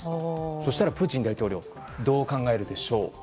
そうしたらプーチン大統領どう考えるでしょう。